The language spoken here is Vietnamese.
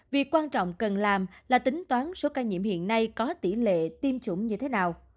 việc quan trọng cần làm là tính toán số ca nhiễm hiện nay có tỷ lệ tiêm chủng như thế nào